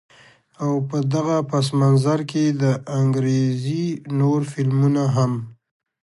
او په دغه پس منظر کښې د انګرېزي نور فلمونه هم